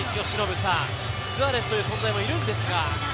スアレスという存在もいるんですが。